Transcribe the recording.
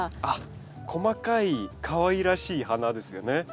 あっ細かいかわいらしい花ですよね。